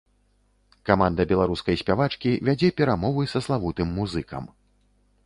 Каманда беларускай спявачкі вядзе перамовы са славутым музыкам.